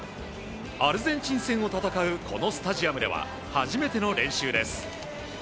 アルゼンチン戦を戦うこのスタジアムでは初めての練習です。